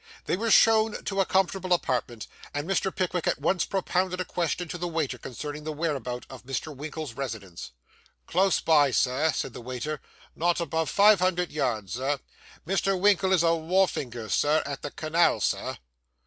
They were shown to a comfortable apartment, and Mr. Pickwick at once propounded a question to the waiter concerning the whereabout of Mr. Winkle's residence. 'Close by, Sir,' said the waiter, 'not above five hundred yards, Sir. Mr. Winkle is a wharfinger, Sir, at the canal, sir.